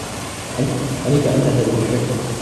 عليك أن تعتني بالطفل.